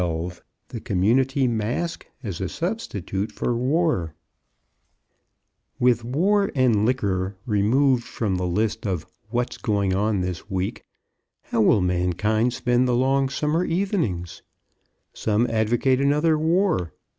XII THE COMMUNITY MASQUE AS A SUBSTITUTE FOR WAR With War and Licker removed from the list of "What's Going on This Week," how will mankind spend the long summer evenings? Some advocate another war.